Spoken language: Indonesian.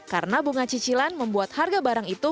karena bunga cicilan membuat harga barang itu